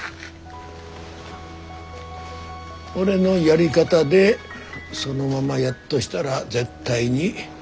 俺のやり方でそのままやっとしたら絶対に無理だ。